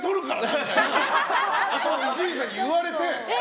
みたいなことを伊集院さんに言われて。